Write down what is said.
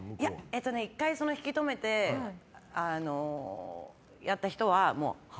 １回、引き止めてやった人はは？